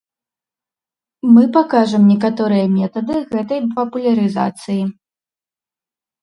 Мы пакажам некаторыя метады гэтай папулярызацыі.